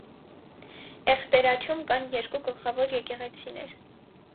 Էխտերաչում կան երկու գլխավոր եկեղեցիներ։